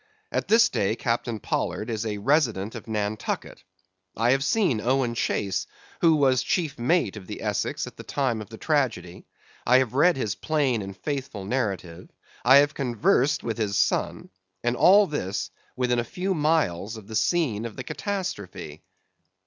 At this day Captain Pollard is a resident of Nantucket. I have seen Owen Chace, who was chief mate of the Essex at the time of the tragedy; I have read his plain and faithful narrative; I have conversed with his son; and all this within a few miles of the scene of the catastrophe.